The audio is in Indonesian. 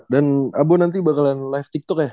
dan abu nanti bakalan live tiktok ya